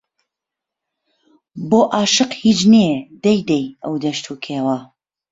بۆ ئاشق هیچ نێ دەی دەی ئەو دەشت و کێوە